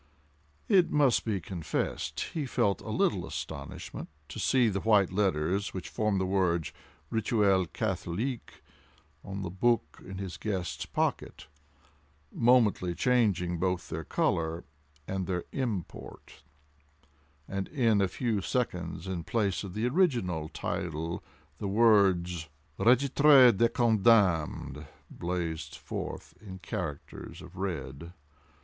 It must be confessed, he felt a little astonishment to see the white letters which formed the words "Rituel Catholique" on the book in his guest's pocket, momently changing both their color and their import, and in a few seconds, in place of the original title the words Régitre des Condamnes blazed forth in characters of red.